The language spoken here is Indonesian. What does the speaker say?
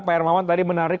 pak hermawan tadi menarik